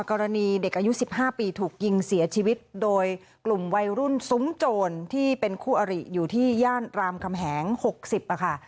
กรณีเด็กอายุ๑๕ปีถูกยิงเสียชีวิตโดยกลุ่มวัยรุ่นซุ้มโจรที่เป็นคู่อริอยู่ที่ย่านรามคำแหง๖๐ค่ะ